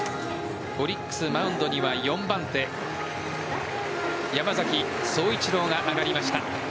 オリックスマウンドには４番手山崎颯一郎が上がりました。